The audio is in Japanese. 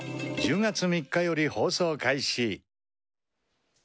１０月３日より放送開始。